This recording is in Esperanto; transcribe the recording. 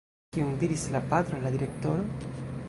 Kion diris la patro al la direktoro?